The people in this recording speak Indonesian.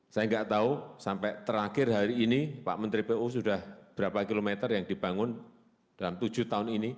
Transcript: saya nggak tahu sampai terakhir hari ini pak menteri pu sudah berapa kilometer yang dibangun dalam tujuh tahun ini